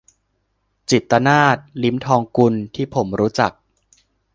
จิตตนาถ ลิ้มทองกุล ที่ผมรู้จัก